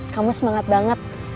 kamu semangat banget